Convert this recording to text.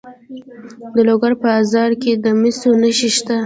د لوګر په ازره کې د مسو نښې شته.